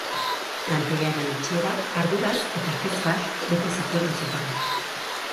Lantegiaren itxierak arduraz eta kezkax bete zituen auzotarrak.